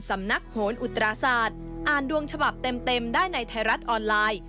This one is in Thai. สำนักโหนอุตราศาสตร์อ่านดวงฉบับเต็มได้ในไทยรัฐออนไลน์